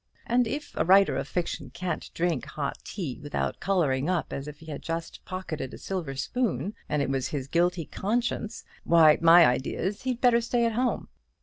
And if a writer of fiction can't drink hot tea without colouring up as if he had just pocketed a silver spoon, and it was his guilty conscience, why, my idea is, he'd better stay at home.